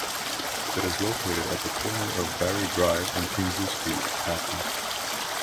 It is located at the corner of Barry Drive and Kingsley Street, Acton.